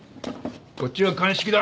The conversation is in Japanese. こっちは鑑識だ。